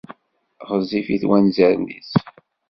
Ɣezzifit wanzaren-is.